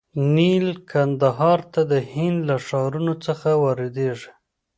نیل کندهار ته د هند له ښارونو څخه واردیږي.